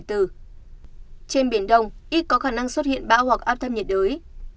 trên biển đông ít có khả năng xuất hiện bão hoặc áp thấp nhiệt đới